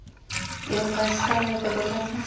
「４階スカラ座でございます。